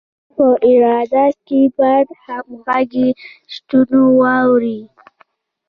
په اداره کې باید همغږي شتون ولري.